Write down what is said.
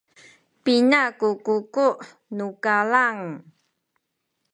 pina ku kuku’ nu kalang?